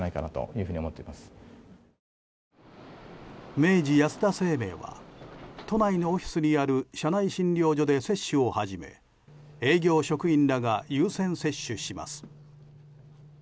明治安田生命は都内のオフィスにある社内診療所で接種を始め営業職員らが優先接種します。